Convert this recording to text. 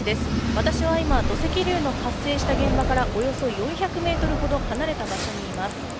私は今、土石流の発生した現場からおよそ４００ｍほど離れた場所にいます。